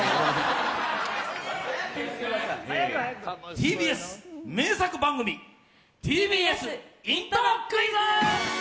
ＴＢＳ名作番組ＴＢＳイントロクイズ！